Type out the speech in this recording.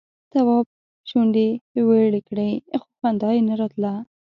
تواب شونډې ويړې کړې خو خندا یې نه راتله.